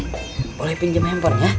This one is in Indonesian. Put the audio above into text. sambil dihentikan ya